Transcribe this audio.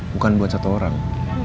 bukan buat satu orang